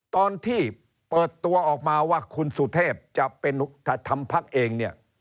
ตอนที่เปิดตัวออกมาว่าคุณสุเทพจะทำพักเอง